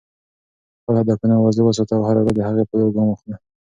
خپل هدفونه واضح وساته او هره ورځ د هغې په لور ګام واخله.